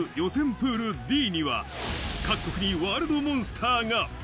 プールＤには各国にワールドモンスターが。